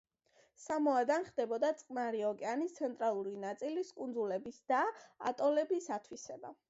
სამოადან ხდებოდა წყნარი ოკეანის ცენტრალური ნაწილის კუნძულების და ატოლების ათვისება.